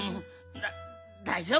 だだいじょうぶだ。